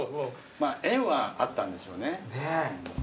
縁はあったんでしょうね。